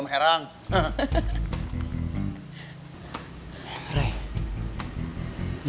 masa ini udah abangnya